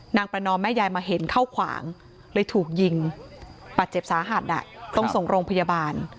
ประนอมแม่ยายมาเห็นเข้าขวางเลยถูกยิงบาดเจ็บสาหัสต้องส่งโรงพยาบาล